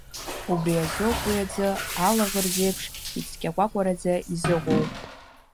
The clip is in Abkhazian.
Убри азоуп уи аӡы, алаӷырӡ еиԥш, ицқьакәакәараӡа изыҟоу.